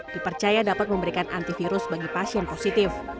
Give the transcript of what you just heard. dipercaya dapat memberikan antivirus bagi pasien positif